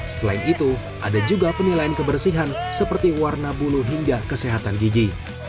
selain itu ada juga penilaian kebersihan seperti warna bulu hingga kesehatan gigi